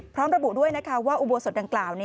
พร้อมระบุด้วยนะคะว่าอุโบสถดังกล่าว